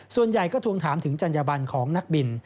ส่วนใหญ่ก็ทวงถามถึงจัญญบันของนักบิน